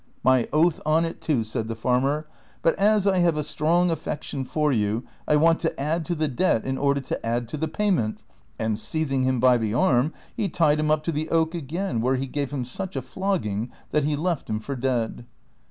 " My oath on it, too," said the farmer ;" but as I have a strong affection for you, I want to add to the debt in order to add to the payment ;" and seizing him by the arm, he tied him up to the oak again, where he gave him such a flogging that he left him for dead.